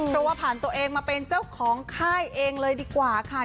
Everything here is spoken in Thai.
เพราะว่าผ่านตัวเองมาเป็นเจ้าของค่ายเองเลยดีกว่าค่ะ